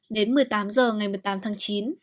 đến một mươi tám h ngày một mươi tám tháng chín